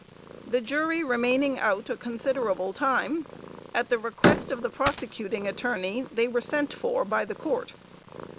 "The jury remaining out a considerable time, at the request of the prosecuting attorney they were sent for by the Court.